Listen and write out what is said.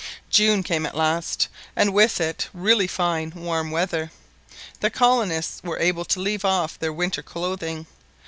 June came at last, and with it really fine warm weather. The colonists were able to leave off their winter clothing.